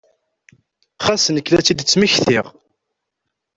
Xas nekk la tt-id-tmektiɣ.